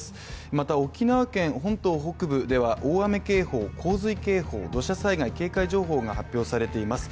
また沖縄県本島北部では大雨警報、洪水警報、土砂災害警戒情報が発表されています